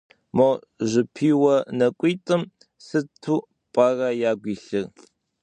Мо жыпиуэ нэкӏуитӏым сыту пӏэрэ ягу илъыр?